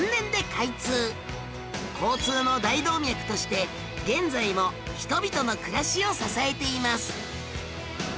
交通の大動脈として現在も人々の暮らしを支えています